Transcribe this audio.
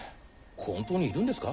本当にいるんですか？